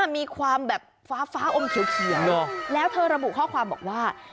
มีความแบบฟ้าฟ้าอมเขียวแล้วเธอระบุข้อความบอกว่า